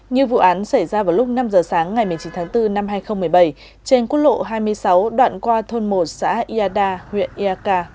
như vụ án xảy ra vào lúc năm giờ sáng ngày một mươi chín tháng bốn năm hai nghìn một mươi bảy trên quốc lộ hai mươi sáu đoạn qua thôn một xã iada huyện iaka